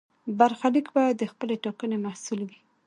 برخلیک باید د خپلې ټاکنې محصول وي.